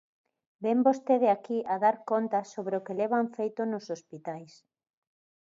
Vén vostede aquí a dar conta sobre o que levan feito nos hospitais.